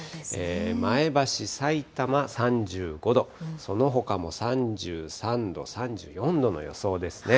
前橋、さいたま３５度、そのほかも３３度、３４度の予想ですね。